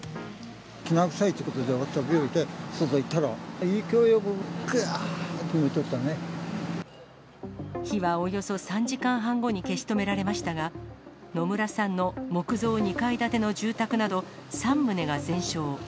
きな臭いということで、飛び降りて、外行ったら、勢いよく、火はおよそ３時間半後に消し止められましたが、野村さんの木造２階建ての住宅など３棟が全焼。